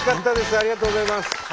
ありがとうございます。